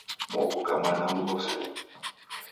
Mwaw'uka mana m'mbose?